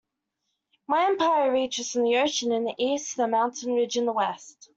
My empire reaches from the ocean in the East to the mountain ridge in the West.